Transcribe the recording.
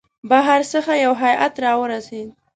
بهر څخه یو هیئات را ورسېد.